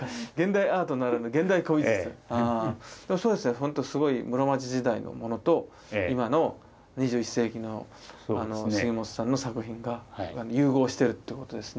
ほんとすごい室町時代のものと今の２１世紀の杉本さんの作品が融合してるってことですね。